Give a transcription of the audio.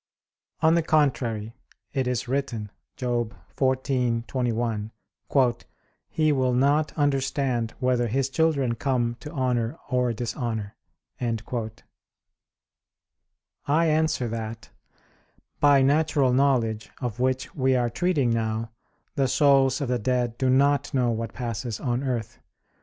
On the contrary, It is written (Job 14:21): "He will not understand whether his children come to honor or dishonor." I answer that, By natural knowledge, of which we are treating now, the souls of the dead do not know what passes on earth.